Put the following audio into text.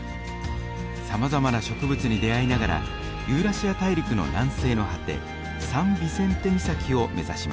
さまざまな植物に出会いながらユーラシア大陸の南西の果てサン・ビセンテ岬を目指します。